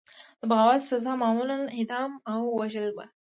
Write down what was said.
د بغاوت سزا معمولا اعدام او وژل وو.